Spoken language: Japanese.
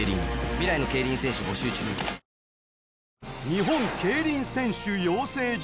日本競輪選手養成所